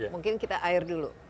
mungkin kita air dulu